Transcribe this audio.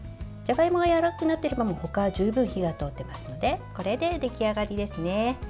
じゃがいもがやわらかくなってたらほかは十分火が通っていますのでこれで出来上がりですね。